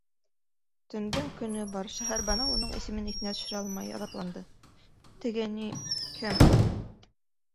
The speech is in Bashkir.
Төндөң көнө бар, - Шәһәрбаныу уның исемен иҫенә төшөрә алмай аҙапланды, - теге ни.. кем...